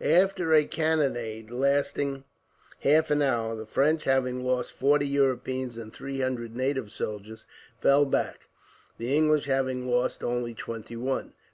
After a cannonade lasting half an hour, the French, having lost forty European and three hundred native soldiers, fell back; the English having lost only twenty one.